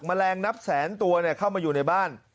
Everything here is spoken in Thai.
แมลงนับแสนตัวเข้ามาอยู่ในบ้าน